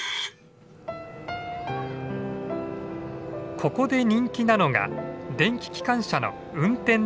ここで人気なのが電気機関車の運転体験。